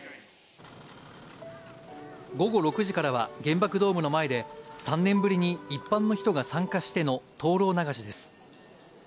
午後６時からは原爆ドームの前で、３年ぶりに一般の人が参加しての灯籠流しです。